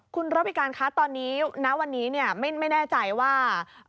คุณระวิการคะตอนนี้ณวันนี้ไม่แน่ใจว่า